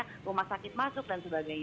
ada rumah sakit masuk dan sebagainya